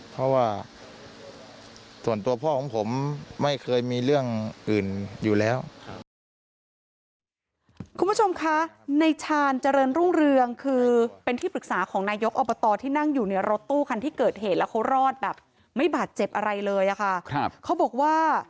เพราะว่าส่วนตัวพ่อของผมไม่เคยมีเรื่องอื่นอยู่แล้ว